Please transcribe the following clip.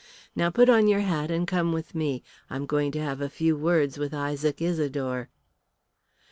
Now you put on your hat and come with me. I'm going to have a few words with Isaac Isidore."